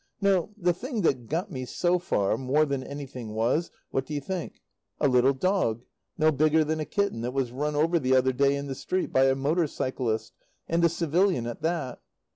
No, the thing that got me, so far, more than anything was what d'you think? A little dog, no bigger than a kitten, that was run over the other day in the street by a motor cyclist and a civilian at that.